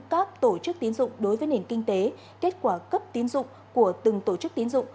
các tổ chức tiến dụng đối với nền kinh tế kết quả cấp tín dụng của từng tổ chức tín dụng